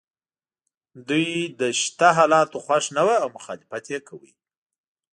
دوی له شته حالاتو خوښ نه وو او مخالفت یې کاوه.